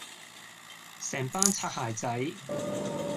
成班擦鞋仔